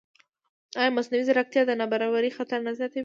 ایا مصنوعي ځیرکتیا د نابرابرۍ خطر نه زیاتوي؟